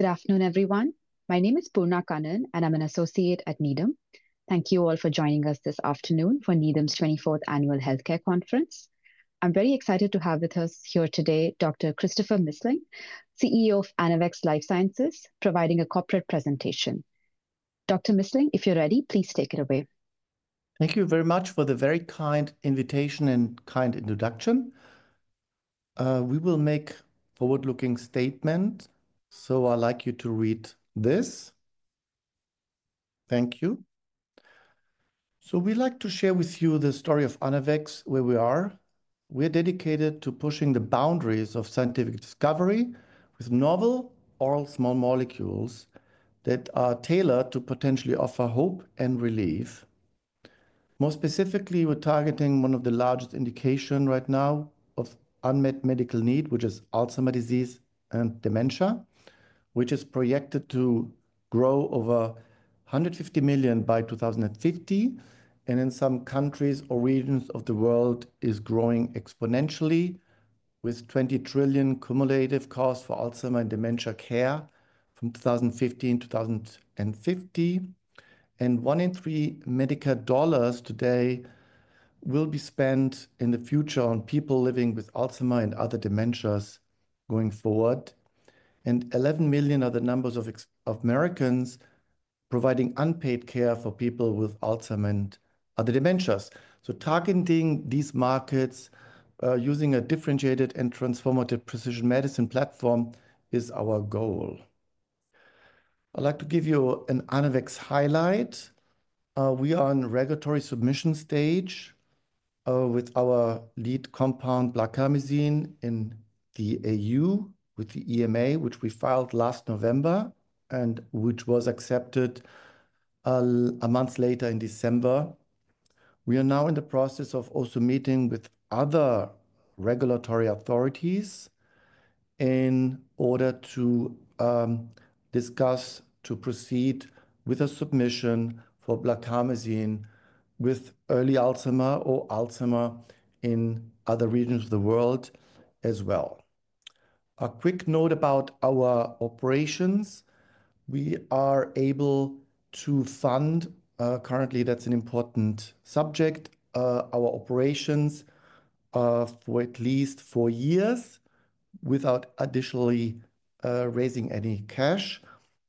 Good afternoon, everyone. My name is Poorna Kannan, and I'm an associate at Needham. Thank you all for joining us this afternoon for Needham's 24th Annual Healthcare Conference. I'm very excited to have with us here today Dr. Christopher Missling, CEO of Anavex Life Sciences, providing a corporate presentation. Dr. Missling, if you're ready, please take it away. Thank you very much for the very kind invitation and kind introduction. We will make a forward-looking statement, so I'd like you to read this. Thank you. We would like to share with you the story of Anavex, where we are. We're dedicated to pushing the boundaries of scientific discovery with novel oral small molecules that are tailored to potentially offer hope and relief. More specifically, we're targeting one of the largest indications right now of unmet medical need, which is Alzheimer's disease and dementia, which is projected to grow over 150 million by 2050. In some countries or regions of the world, it is growing exponentially, with $20 trillion cumulative costs for Alzheimer's and dementia care from 2015 to 2050. One in three Medicare dollars today will be spent in the future on people living with Alzheimer's and other dementias going forward. Eleven million are the numbers of Americans providing unpaid care for people with Alzheimer's and other dementias. Targeting these markets using a differentiated and transformative precision medicine platform is our goal. I'd like to give you an Anavex highlight. We are in the regulatory submission stage with our lead compound, blarcamesine, in the EU with the EMA, which we filed last November and which was accepted a month later in December. We are now in the process of also meeting with other regulatory authorities in order to discuss to proceed with a submission for blarcamesine with early Alzheimer's or Alzheimer's in other regions of the world as well. A quick note about our operations. We are able to fund currently—that's an important subject—our operations for at least four years without additionally raising any cash.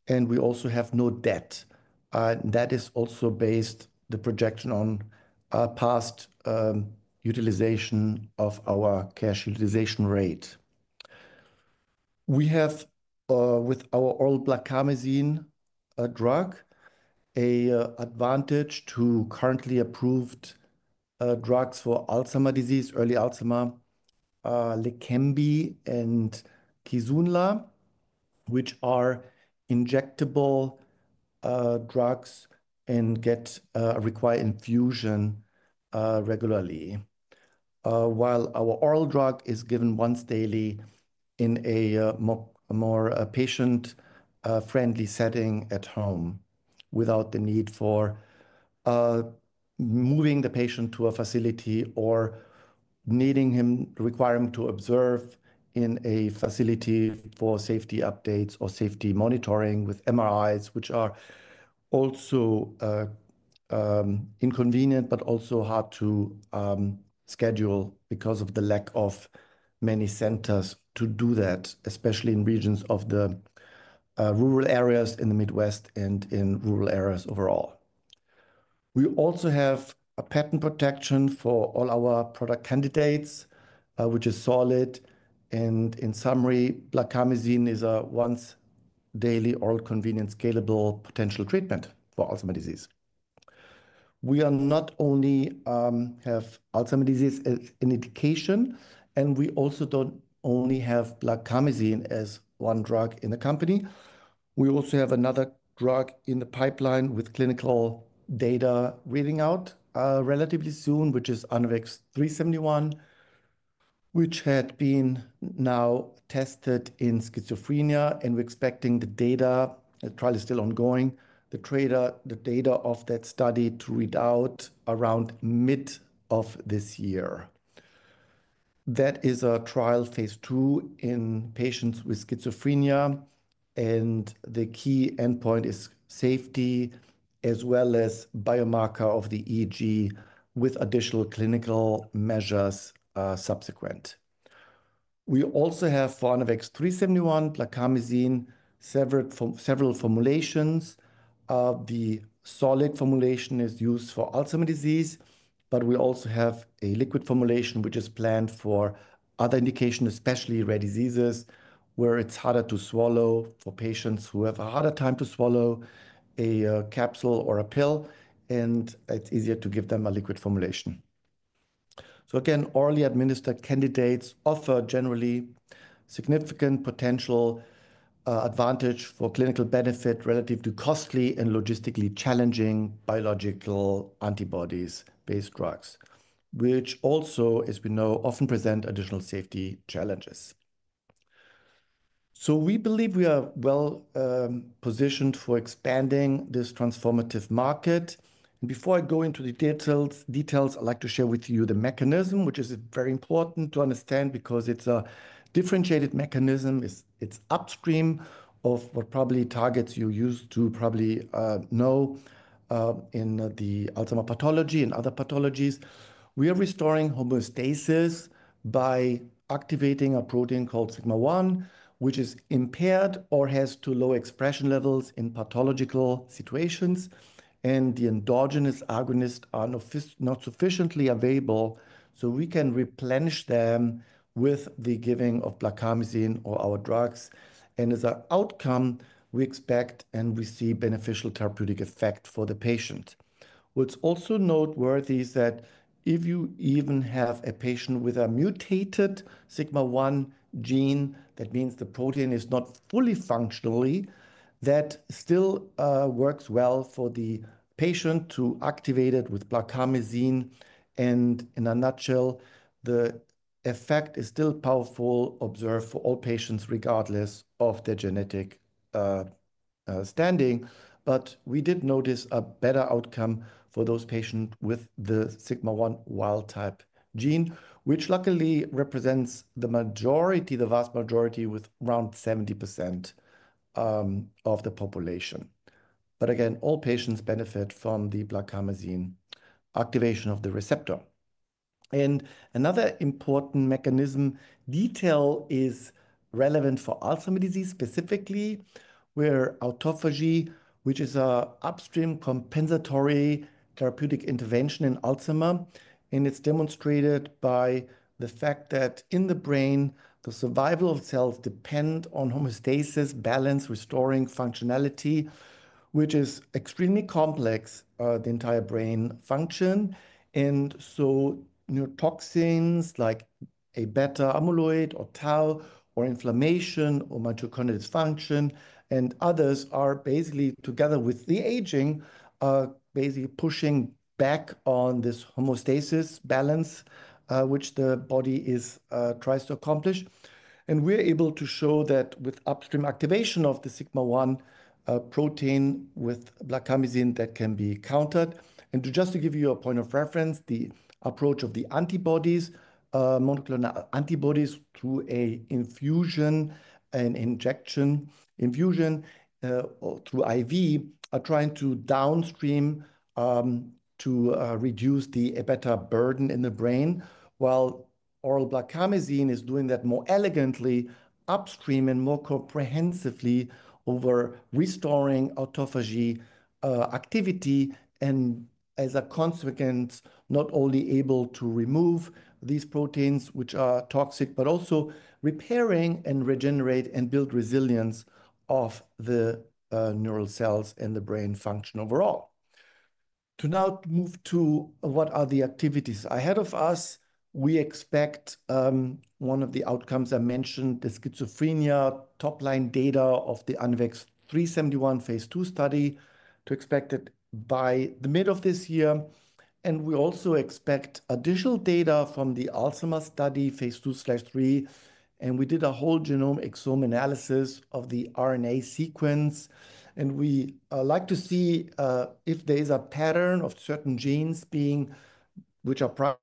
We also have no debt. That is also based on the projection on past utilization of our cash utilization rate. We have, with our oral blarcamesine drug, an advantage to currently approved drugs for Alzheimer's disease, early Alzheimer's, Leqembi and Kisunla, which are injectable drugs and require infusion regularly, while our oral drug is given once daily in a more patient-friendly setting at home without the need for moving the patient to a facility or requiring him to observe in a facility for safety updates or safety monitoring with MRIs, which are also inconvenient but also hard to schedule because of the lack of many centers to do that, especially in regions of the rural areas in the Midwest and in rural areas overall. We also have a patent protection for all our product candidates, which is solid. In summary, blarcamesine is a once-daily oral convenient scalable potential treatment for Alzheimer's disease. We not only have Alzheimer's disease as an indication, and we also don't only have blarcamesine as one drug in the company. We also have another drug in the pipeline with clinical data reading out relatively soon, which is Anavex 3-71, which had been now tested in schizophrenia. We're expecting the data—the trial is still ongoing—the data of that study to read out around mid of this year. That is a trial Phase 2 in patients with schizophrenia. The key endpoint is safety as well as biomarker of the EEG with additional clinical measures subsequent. We also have Anavex 3-71, blarcamesine, several formulations. The solid formulation is used for Alzheimer's disease, but we also have a liquid formulation, which is planned for other indications, especially rare diseases where it's harder to swallow for patients who have a harder time to swallow a capsule or a pill, and it's easier to give them a liquid formulation. Again, orally administered candidates offer generally significant potential advantage for clinical benefit relative to costly and logistically challenging biological antibodies-based drugs, which also, as we know, often present additional safety challenges. We believe we are well positioned for expanding this transformative market. Before I go into the details, I'd like to share with you the mechanism, which is very important to understand because it's a differentiated mechanism. It's upstream of what probably targets you used to probably know in the Alzheimer's pathology and other pathologies. We are restoring homeostasis by activating a protein called Sigma-1, which is impaired or has too low expression levels in pathological situations, and the endogenous agonists are not sufficiently available. We can replenish them with the giving of blarcamesine or our drugs. As an outcome, we expect and we see beneficial therapeutic effect for the patient. What's also noteworthy is that if you even have a patient with a mutated Sigma-1 gene, that means the protein is not fully functional, that still works well for the patient to activate it with blarcamesine. In a nutshell, the effect is still powerful, observed for all patients regardless of their genetic standing. We did notice a better outcome for those patients with the Sigma-1 wild type gene, which luckily represents the vast majority with around 70% of the population. Again, all patients benefit from the blarcamesine activation of the receptor. Another important mechanism detail is relevant for Alzheimer's disease specifically, where autophagy, which is an upstream compensatory therapeutic intervention in Alzheimer's, and it's demonstrated by the fact that in the brain, the survival of cells depends on homeostasis balance, restoring functionality, which is extremely complex, the entire brain function. Neurotoxins like A-beta amyloid or tau or inflammation or mitochondrial dysfunction and others are basically, together with the aging, basically pushing back on this homeostasis balance, which the body tries to accomplish. We're able to show that with upstream activation of the Sigma-1 protein with blarcamesine, that can be countered. Just to give you a point of reference, the approach of the antibodies, monoclonal antibodies through an infusion and injection infusion through IV, are trying to downstream to reduce the beta burden in the brain, while oral blarcamesine is doing that more elegantly, upstream and more comprehensively over restoring autophagy activity. As a consequence, not only able to remove these proteins, which are toxic, but also repairing and regenerate and build resilience of the neural cells and the brain function overall. To now move to what are the activities ahead of us, we expect one of the outcomes I mentioned, the schizophrenia top-line data of the Anavex 3-71 Phase 2 study to expect it by the middle of this year. We also expect additional data from the Alzheimer's study Phase 2/3. We did a whole genome exome analysis of the RNA sequence. We like to see if there is a pattern of certain genes which are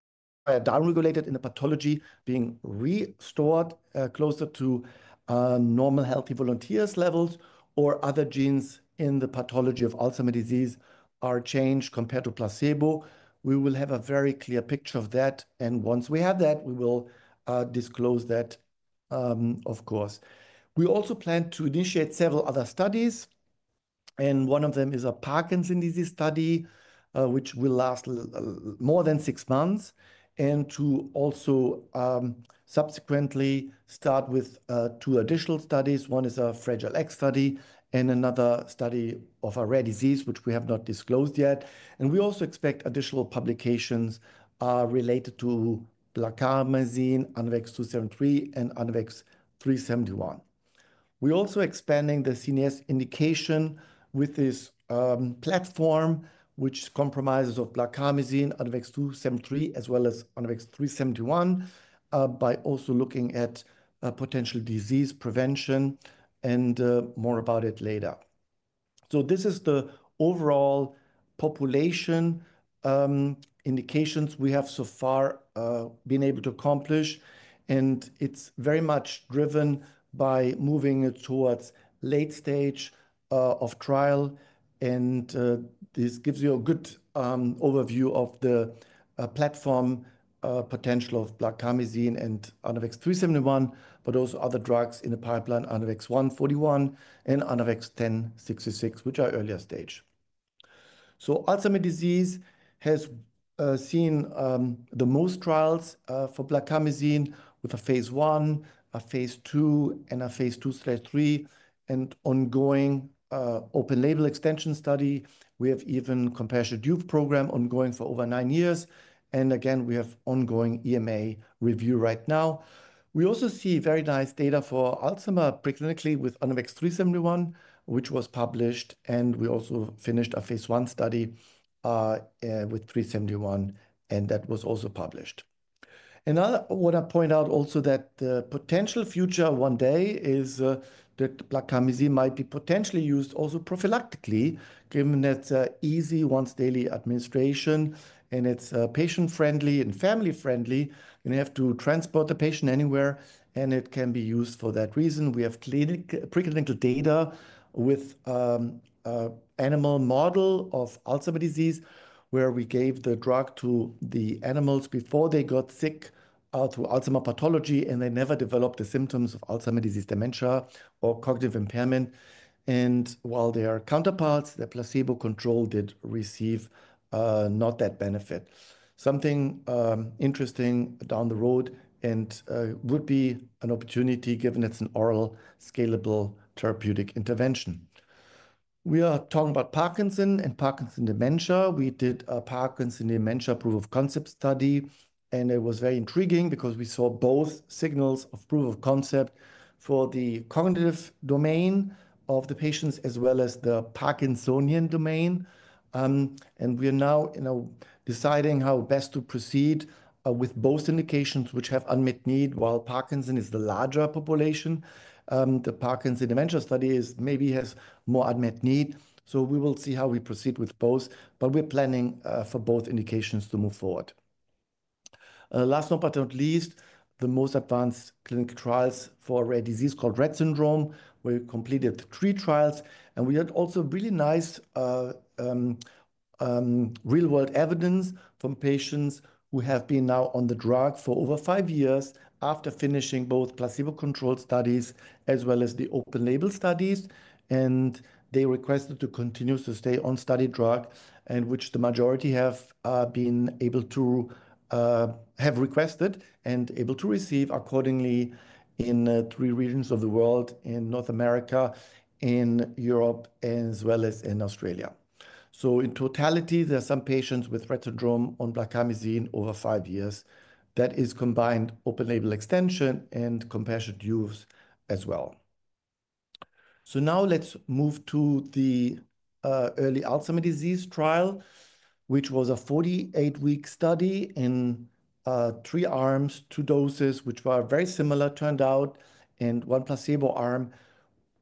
downregulated in the pathology being restored closer to normal healthy volunteers levels or other genes in the pathology of Alzheimer's disease are changed compared to placebo. We will have a very clear picture of that. Once we have that, we will disclose that, of course. We also plan to initiate several other studies. One of them is a Parkinson's disease study, which will last more than six months and to also subsequently start with two additional studies. One is a Fragile X study and another study of a rare disease, which we have not disclosed yet. We also expect additional publications related to blarcamesine, Anavex 2-73, and Anavex 3-71. We're also expanding the CNS indication with this platform, which comprises blarcamesine, Anavex 2-73, as well as Anavex 3-71, by also looking at potential disease prevention and more about it later. This is the overall population indications we have so far been able to accomplish. It's very much driven by moving towards late stage of trial. This gives you a good overview of the platform potential of blarcamesine and Anavex 3-71, but also other drugs in the pipeline, Anavex 1-41 and Anavex 1066, which are earlier stage. Alzheimer's disease has seen the most trials for blarcamesine with a Phase 1, a Phase 2, and a Phase 2/3 and ongoing open label extension study. We have even compassionate use program ongoing for over nine years. We have ongoing EMA review right now. We also see very nice data for Alzheimer's preclinically with Anavex 3-71, which was published. We also finished a Phase 1 study with 3-71, and that was also published. I want to point out also that the potential future one day is that blarcamesine might be potentially used also prophylactically, given that it's an easy once-daily administration and it's patient-friendly and family-friendly. You don't have to transport the patient anywhere, and it can be used for that reason. We have preclinical data with an animal model of Alzheimer's disease where we gave the drug to the animals before they got sick through Alzheimer's pathology, and they never developed the symptoms of Alzheimer's disease, dementia, or cognitive impairment. While their counterparts, the placebo control, did receive not that benefit. Something interesting down the road and would be an opportunity given it's an oral scalable therapeutic intervention. We are talking about Parkinson's and Parkinson's dementia. We did a Parkinson's dementia proof of concept study, and it was very intriguing because we saw both signals of proof of concept for the cognitive domain of the patients as well as the Parkinsonian domain. We are now deciding how best to proceed with both indications, which have unmet need while Parkinson's is the larger population. The Parkinson's dementia study maybe has more unmet need. We will see how we proceed with both, but we're planning for both indications to move forward. Last but not least, the most advanced clinical trials for a rare disease called Rett syndrome, where we completed three trials. We had also really nice real-world evidence from patients who have been now on the drug for over five years after finishing both placebo-controlled studies as well as the open label studies. They requested to continue to stay on study drug, which the majority have been able to have requested and able to receive accordingly in three regions of the world: in North America, in Europe, as well as in Australia. In totality, there are some patients with Rett syndrome on blarcamesine over five years that is combined open label extension and compassionate use as well. Now let's move to the early Alzheimer's disease trial, which was a 48-week study in three arms, two doses, which were very similar, turned out, and one placebo arm.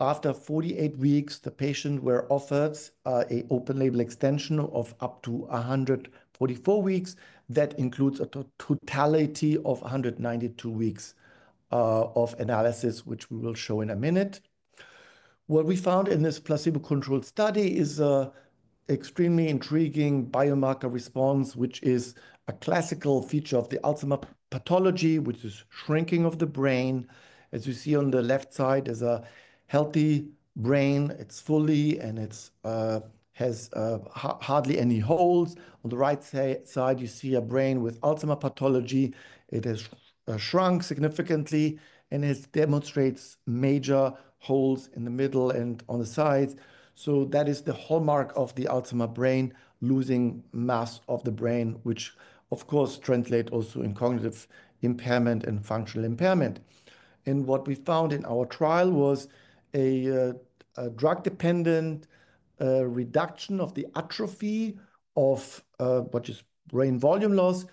After 48 weeks, the patients were offered an open label extension of up to 144 weeks. That includes a totality of 192 weeks of analysis, which we will show in a minute. What we found in this placebo-controlled study is an extremely intriguing biomarker response, which is a classical feature of the Alzheimer's pathology, which is shrinking of the brain. As you see on the left side, there's a healthy brain. It's fully and it has hardly any holes. On the right side, you see a brain with Alzheimer's pathology. It has shrunk significantly, and it demonstrates major holes in the middle and on the sides. That is the hallmark of the Alzheimer's brain losing mass of the brain, which, of course, translates also in cognitive impairment and functional impairment. What we found in our trial was a drug-dependent reduction of the atrophy of, which is brain volume loss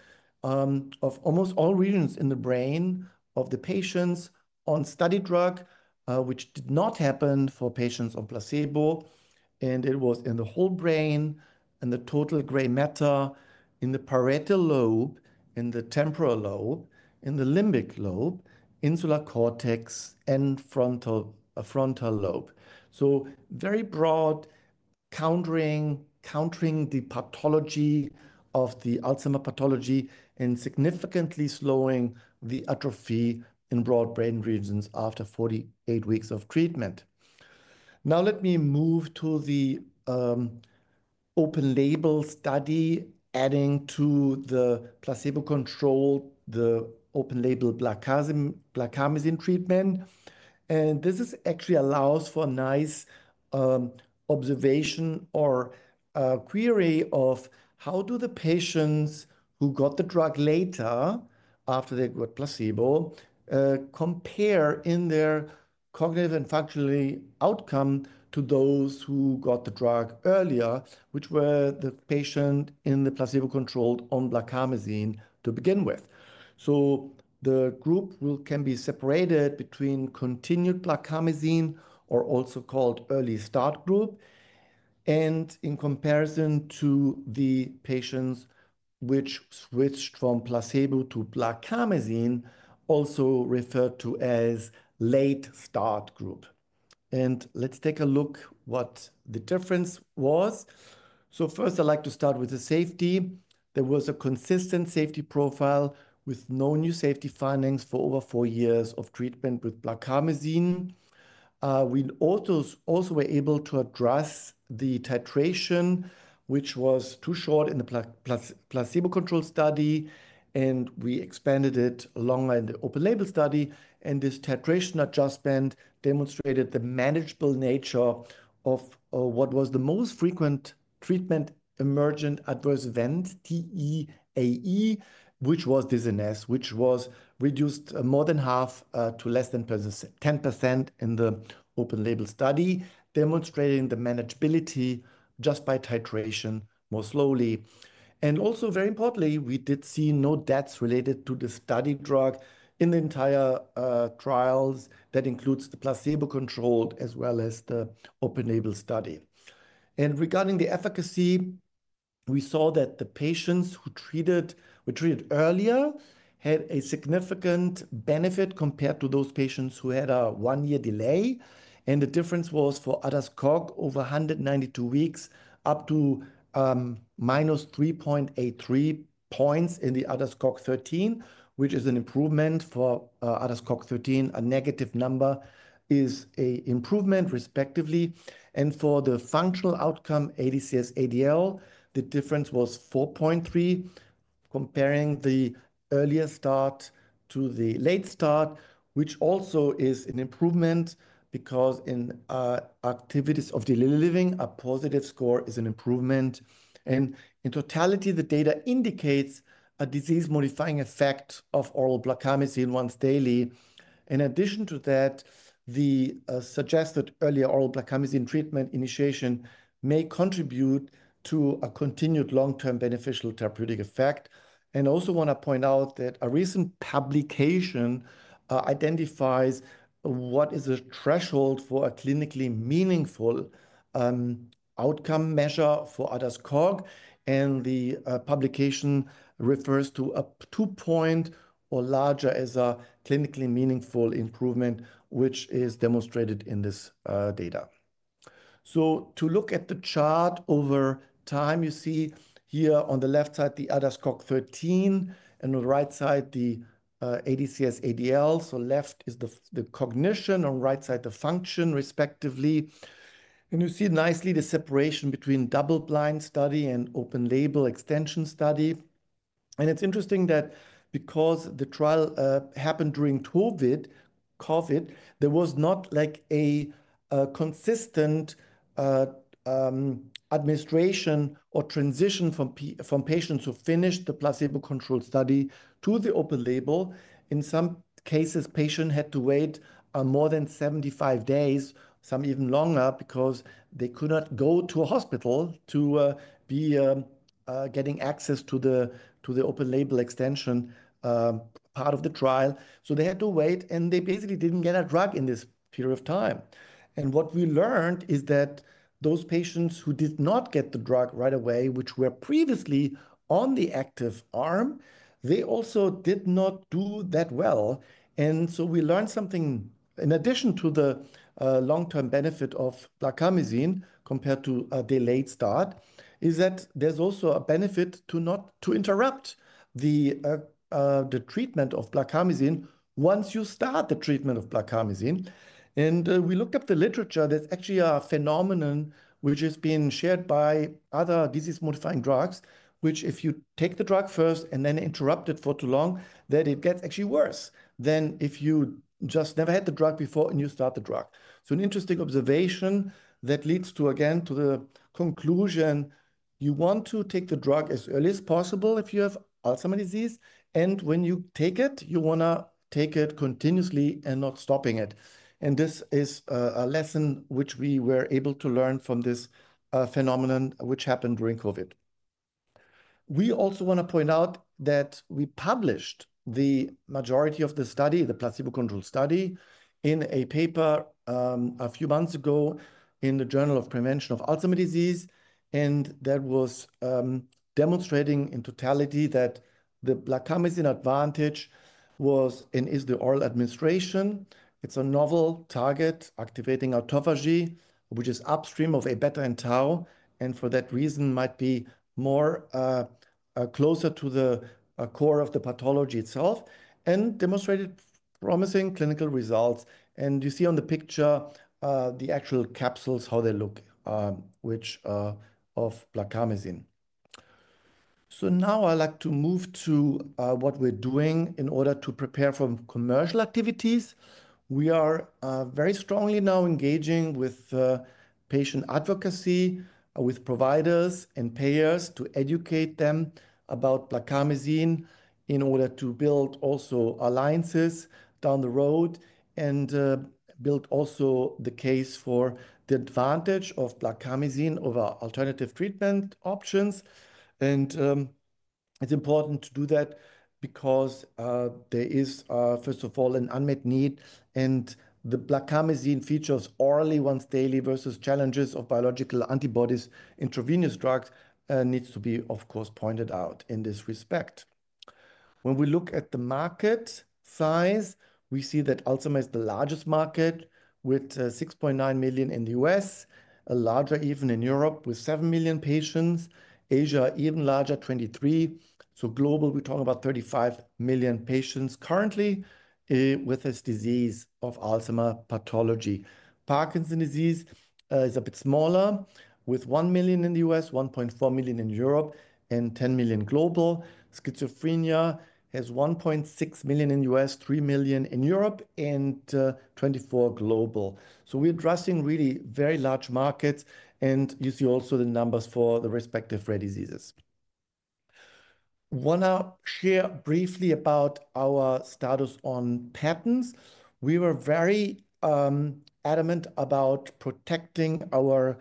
of almost all regions in the brain of the patients on study drug, which did not happen for patients on placebo. It was in the whole brain and the total gray matter in the parietal lobe, in the temporal lobe, in the limbic lobe, insular cortex, and frontal lobe. Very broad countering the pathology of the Alzheimer's pathology and significantly slowing the atrophy in broad brain regions after 48 weeks of treatment. Now let me move to the open label study, adding to the placebo-controlled the open label blarcamesine treatment. This actually allows for a nice observation or query of how do the patients who got the drug later after they got placebo compare in their cognitive and functional outcome to those who got the drug earlier, which were the patient in the placebo-controlled on blarcamesine to begin with. The group can be separated between continued blarcamesine or also called early start group. In comparison to the patients which switched from placebo to blarcamesine, also referred to as late start group. Let's take a look at what the difference was. First, I'd like to start with the safety. There was a consistent safety profile with no new safety findings for over four years of treatment with blarcamesine. We also were able to address the titration, which was too short in the placebo-controlled study. We expanded it longer in the open label study. This titration adjustment demonstrated the manageable nature of what was the most frequent treatment emergent adverse event, TEAE, which was dizziness, which was reduced more than half to less than 10% in the open label study, demonstrating the manageability just by titration more slowly. Also, very importantly, we did see no deaths related to the study drug in the entire trials. That includes the placebo-controlled as well as the open label study. Regarding the efficacy, we saw that the patients who treated earlier had a significant benefit compared to those patients who had a one-year delay. The difference was for ADAS-COG over 192 weeks up to minus 3.83 points in the ADAS-COG 13, which is an improvement. For ADAS-COG 13, a negative number is an improvement, respectively. For the functional outcome, ADCS-ADL, the difference was 4.3 comparing the earlier start to the late start, which also is an improvement because in activities of daily living, a positive score is an improvement. In totality, the data indicates a disease-modifying effect of oral blarcamesine once daily. In addition to that, the suggested earlier oral blarcamesine treatment initiation may contribute to a continued long-term beneficial therapeutic effect. I also want to point out that a recent publication identifies what is a threshold for a clinically meaningful outcome measure for ADAS-COG. The publication refers to a two-point or larger as a clinically meaningful improvement, which is demonstrated in this data. To look at the chart over time, you see here on the left side the ADAS-COG 13 and on the right side the ADCS-ADL. Left is the cognition and right side the function, respectively. You see nicely the separation between double-blind study and open label extension study. It is interesting that because the trial happened during COVID, there was not like a consistent administration or transition from patients who finished the placebo-controlled study to the open label. In some cases, patients had to wait more than 75 days, some even longer, because they could not go to a hospital to be getting access to the open label extension part of the trial. They had to wait, and they basically didn't get a drug in this period of time. What we learned is that those patients who did not get the drug right away, which were previously on the active arm, they also did not do that well. We learned something in addition to the long-term benefit of blarcamesine compared to a delayed start is that there's also a benefit to not interrupt the treatment of blarcamesine once you start the treatment of blarcamesine. We looked at the literature. That's actually a phenomenon which has been shared by other disease-modifying drugs, which if you take the drug first and then interrupt it for too long, it gets actually worse than if you just never had the drug before and you start the drug. An interesting observation that leads to, again, the conclusion you want to take the drug as early as possible if you have Alzheimer's disease. When you take it, you want to take it continuously and not stop it. This is a lesson which we were able to learn from this phenomenon which happened during COVID. We also want to point out that we published the majority of the study, the placebo-controlled study, in a paper a few months ago in the Journal of Prevention of Alzheimer's Disease. That was demonstrating in totality that the blarcamesine advantage was and is the oral administration. It's a novel target activating autophagy, which is upstream of amyloid beta and tau. For that reason, it might be more closer to the core of the pathology itself and demonstrated promising clinical results. You see on the picture the actual capsules, how they look, which are of blarcamesine. Now I'd like to move to what we're doing in order to prepare for commercial activities. We are very strongly now engaging with patient advocacy, with providers and payers to educate them about blarcamesine in order to build also alliances down the road and build also the case for the advantage of blarcamesine over alternative treatment options. It's important to do that because there is, first of all, an unmet need. The blarcamesine features orally once daily versus challenges of biological antibodies, intravenous drugs needs to be, of course, pointed out in this respect. When we look at the market size, we see that Alzheimer's is the largest market with 6.9 million in the U.S., larger even in Europe with 7 million patients. Asia is even larger, 23. So global, we're talking about 35 million patients currently with this disease of Alzheimer's pathology. Parkinson's disease is a bit smaller with 1 million in the U.S., 1.4 million in Europe, and 10 million global. Schizophrenia has 1.6 million in the U.S., 3 million in Europe, and 24 global. We're addressing really very large markets. You see also the numbers for the respective rare diseases. Want to share briefly about our status on patents. We were very adamant about protecting our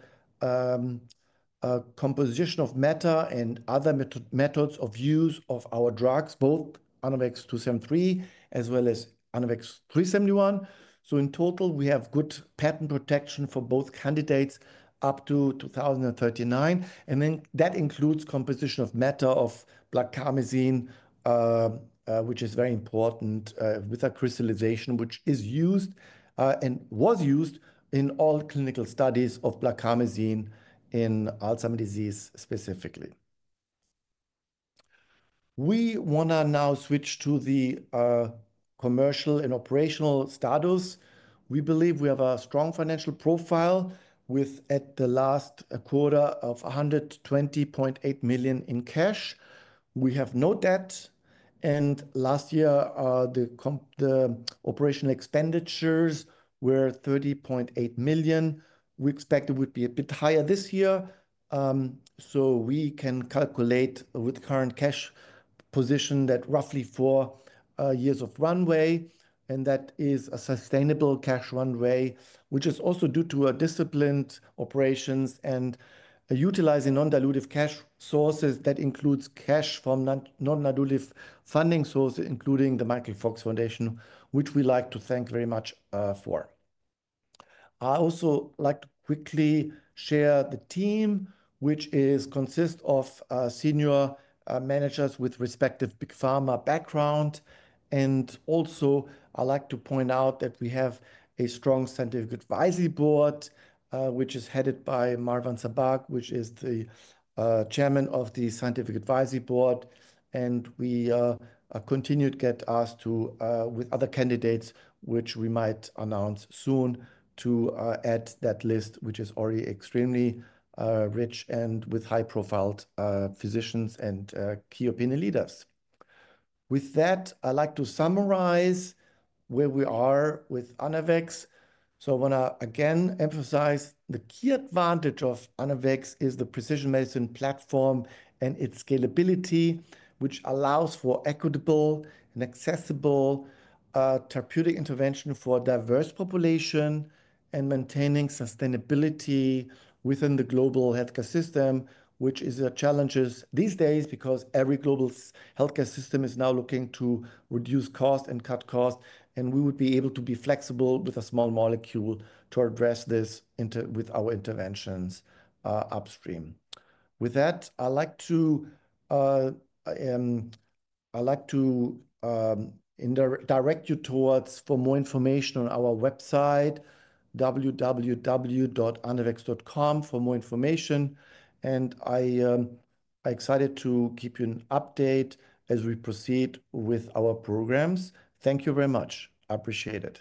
composition of matter and other methods of use of our drugs, both Anavex 2-73 as well as Anavex 3-71. In total, we have good patent protection for both candidates up to 2039. That includes composition of matter of blarcamesine, which is very important with a crystallization, which is used and was used in all clinical studies of blarcamesine in Alzheimer's disease specifically. We want to now switch to the commercial and operational status. We believe we have a strong financial profile with at the last quarter of $120.8 million in cash. We have no debt. Last year, the operational expenditures were $30.8 million. We expect it would be a bit higher this year. We can calculate with current cash position that roughly four years of runway. That is a sustainable cash runway, which is also due to disciplined operations and utilizing non-dilutive cash sources that includes cash from non-dilutive funding sources, including the Michael J. Fox Foundation, which we like to thank very much for. I also like to quickly share the team, which consists of senior managers with respective big pharma background. I also like to point out that we have a strong scientific advisory board, which is headed by Marwan Sabbagh, which is the chairman of the scientific advisory board. We continued to get asked to with other candidates, which we might announce soon to add that list, which is already extremely rich and with high-profile physicians and key opinion leaders. With that, I'd like to summarize where we are with Anavex. I want to again emphasize the key advantage of Anavex is the precision medicine platform and its scalability, which allows for equitable and accessible therapeutic intervention for a diverse population and maintaining sustainability within the global healthcare system, which is a challenge these days because every global healthcare system is now looking to reduce cost and cut cost. We would be able to be flexible with a small molecule to address this with our interventions upstream. With that, I'd like to direct you towards more information on our website, www.anavex.com, for more information. I'm excited to keep you in update as we proceed with our programs. Thank you very much. I appreciate it.